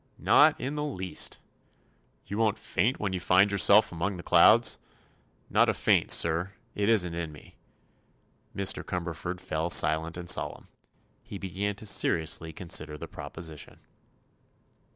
"Not in the least." "You won't faint when you find yourself among the clouds?" "Not a faint, sir. It isn't in me." Mr. Cumberford fell silent and solemn. He began to seriously consider the proposition.